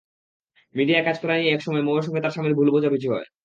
মিডিয়ায় কাজ করা নিয়ে একসময় মৌয়ের সঙ্গে তাঁর স্বামীর ভুল বোঝাবুঝি হয়।